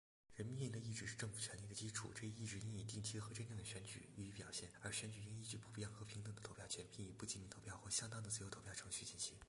人民的意志是政府权力的基础;这一意志应以定期的和真正的选举予以表现,而选举应依据普遍和平等的投票权,并以不记名投票或相当的自由投票程序进行。